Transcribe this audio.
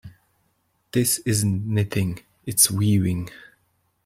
This isn't knitting, its weaving.